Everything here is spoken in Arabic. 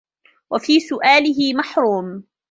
وَفِي سُؤَالِهِ مَحْرُومٌ